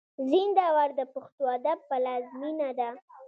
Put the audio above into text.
زينداور د پښتو ادب پلازمېنه ده.